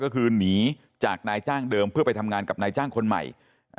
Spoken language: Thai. ก็คือหนีจากนายจ้างเดิมเพื่อไปทำงานกับนายจ้างคนใหม่